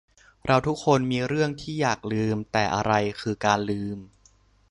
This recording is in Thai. เราทุกคนมีเรื่องที่อยากลืม แต่อะไรคือ 'การลืม' ?